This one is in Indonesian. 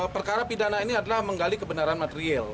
perkara pidana ini adalah menggali kebenaran material